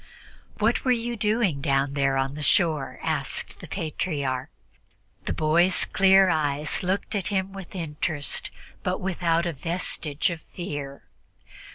"What were you doing down there on the shore?" asked the Patriarch. The boy's clear eyes looked at him with interest, but without a vestige of fear.